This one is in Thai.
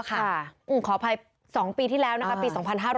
ขออภัย๒ปีที่แล้วนะคะปี๒๕๕๙